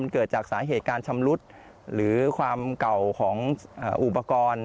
เกิดจากสาเหตุการชำรุดหรือความเก่าของอุปกรณ์